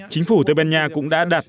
chính phủ tây ban nha cũng đã đặt